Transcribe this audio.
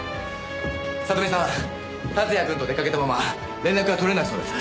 里見さん竜也くんと出かけたまま連絡が取れないそうです。